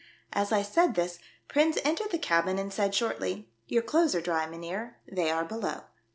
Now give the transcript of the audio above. As I said this, Prins entered the cabin, and said, shortly, "Your clothes are dry, mynheer ; they are below."